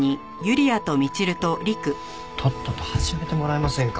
とっとと始めてもらえませんか？